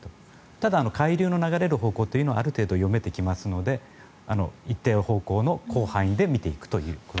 ただ、海流の流れる方向はある程度読めてきますので一定方向の広範囲で見ていくということに。